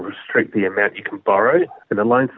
pembelian akan menghentikan jumlah yang bisa anda pinjam